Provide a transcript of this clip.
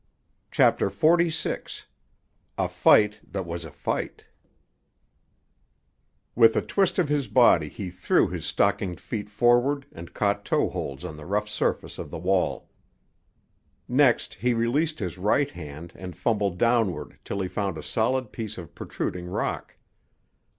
CHAPTER XLVI—A FIGHT THAT WAS A FIGHT With a twist of his body he threw his stockinged feet forward and caught toe holds on the rough surface of the wall. Next he released his right hand and fumbled downward till he found a solid piece of protruding rock.